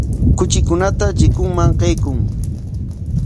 Kuchikunata chikunman qaykun.